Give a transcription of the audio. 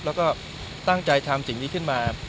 แล้วก็ตั้งใจทำสิ่งนี้ขึ้นมา